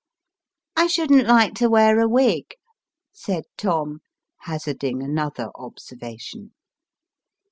"I shouldn't like to wear a wig," said Tom, hazarding another observation.